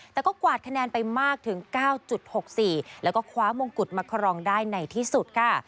แต่ก็กวาดคะแนนไปมากถึง๙๖๔แล้วก็คว้ามงกุฎมาครองได้ในที่สุดค่ะ